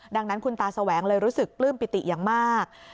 ดังนั้นคุณตาแสวงเลยรู้สึกปลื้มปิติอย่างมาก